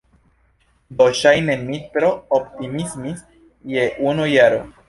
Do, ŝajne mi tro optimismis je unu jaro!